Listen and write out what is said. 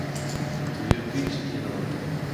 Estudió en Vich y en Olot.